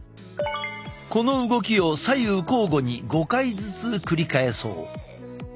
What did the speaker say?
この動きを左右交互に５回ずつ繰り返そう。